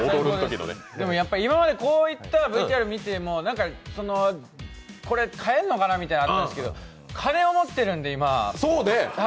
今までこういったＶＴＲ見てもこれ買えるのかなってありますけど、金を持ってるんで、今。